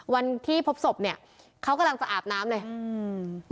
วันที่พบศพเนี้ยเขากำลังจะอาบน้ำเลยอืม